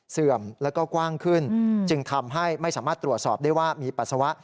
เสื่อมแล้วก็กว้างขึ้นจึงทำให้ไม่สามารถตรวจสอบได้ว่ามีปัสสาวะ